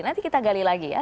nanti kita gali lagi ya